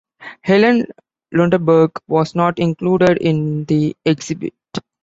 Helen Lundeberg was not included in the exhibit.